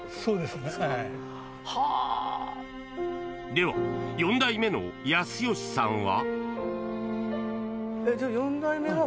では４代目の育祥さんは？